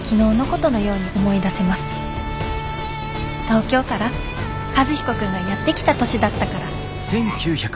東京から和彦君がやって来た年だったから。